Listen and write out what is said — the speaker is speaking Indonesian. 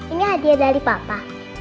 ini hadiah dari papa